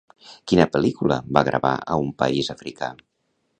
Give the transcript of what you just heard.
Quina pel·lícula va gravar a un país africà?